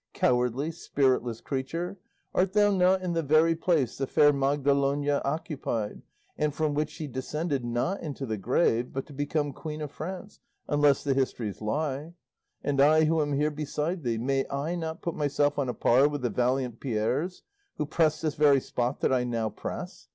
Cowardly, spiritless creature, art thou not in the very place the fair Magalona occupied, and from which she descended, not into the grave, but to become Queen of France; unless the histories lie? And I who am here beside thee, may I not put myself on a par with the valiant Pierres, who pressed this very spot that I now press?